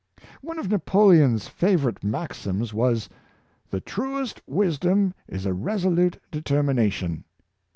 One of Napoleon's favorite maxims was, " The truest wisdom is a resolute determination."